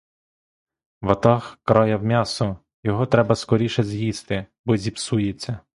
Ватаг краяв м'ясо: його треба скоріше з'їсти, бо зіпсується.